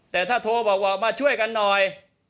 แต่ถ้าโทรบอกว่ามาช่วยกันหน่อย